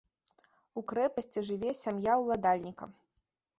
У крэпасці жыве сям'я ўладальніка.